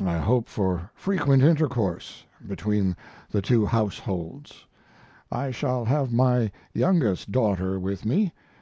I hope for frequent intercourse between the two households. I shall have my youngest daughter with me.